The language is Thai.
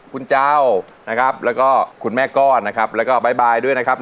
คุณเจ้านะครับแล้วก็คุณแม่ก้อนนะครับแล้วก็บ๊ายบายด้วยนะครับ